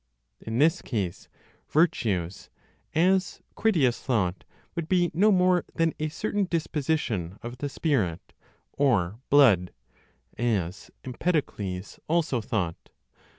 In this case, virtues (as Critias thought), would be no more than a certain disposition of the spirit, or blood (as Empedocles also thought).